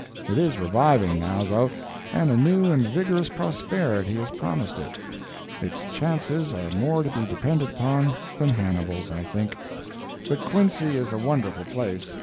It is reviving, now, though, and a new and vigorous prosperity is promised it. Its chances are more to be depended upon than Hannibal's, I think. But Quincy is a wonderful place.